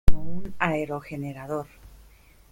Como un aerogenerador.